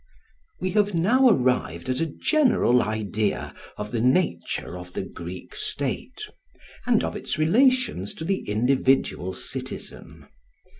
We have now arrived at a general idea of the nature of the Greek state, and of its relations to the individual citizen.